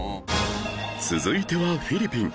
続いてはフィリピン